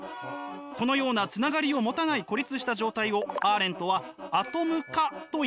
このようなつながりを持たない孤立した状態をアーレントはアトム化といいました。